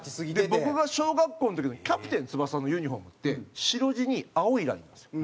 僕が小学校の時の『キャプテン翼』のユニフォームって白地に青いラインなんですよ。